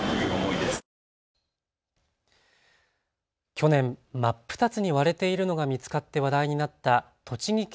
去年、真っ二つに割れているのが見つかって話題になった栃木県